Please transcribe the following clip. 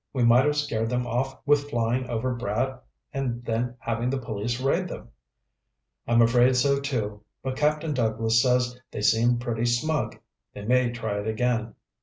We might have scared them off with flying over Brad and then having the police raid them." "I'm afraid so, too. But Captain Douglas says they seemed pretty smug. They may try it again.